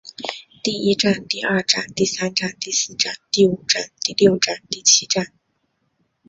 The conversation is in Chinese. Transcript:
第一战第二战第三战第四战第五战第六战第七战